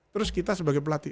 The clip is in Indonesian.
terus kita sebagai pelatih